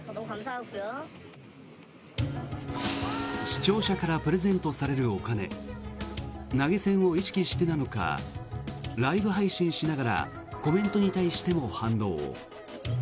視聴者からプレゼントされるお金投げ銭を意識してなのかライブ配信しながらコメントに対しても反応。